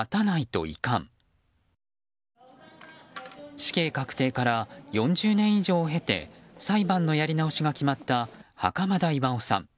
死刑確定から４０年以上を経て裁判のやり直しが決まった袴田巌さん。